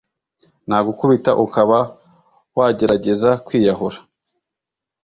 nagukubita ukaba wagerageza kwiyahura